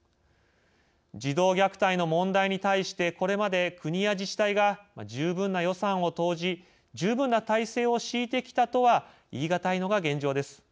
児童虐待の問題に対してこれまで国や自治体が十分な予算を投じ十分な体制を敷いてきたとは言い難いのが現状です。